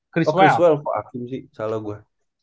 chris well kok akim sih salah gua